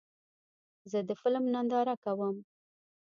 زه د فلم ننداره کوم.